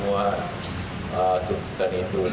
tentu menerima mendengarkan semua